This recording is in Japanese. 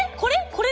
これ？